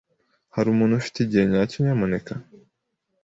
Hari umuntu ufite igihe nyacyo, nyamuneka?